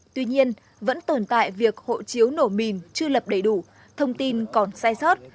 tuy nhiên vẫn tồn tại việc hộ chiếu nổ mìn chưa lập đầy đủ thông tin còn sai sót